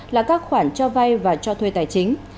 là các khoản cho vay và cho thuê tài chính